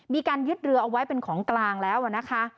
มีการยึดเรือเอาไว้เป็นของกลางแล้วนะคะ